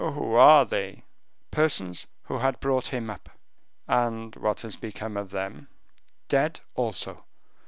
"Who are they?" "Persons who had brought him up." "What has become of them?" "Dead also.